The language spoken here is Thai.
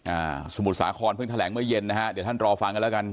สมุทรสาครเพิ่งแถลงเมื่อเย็นนะฮะเดี๋ยวท่านรอฟังกันแล้วกัน